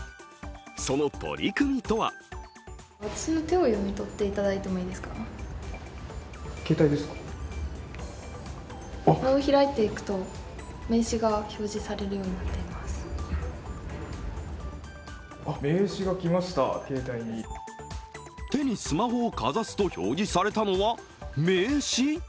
その取り組みとは手にスマホをかざすと表示されたのは名刺？